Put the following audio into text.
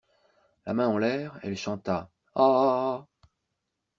La main en l'air, elle chanta: Ah!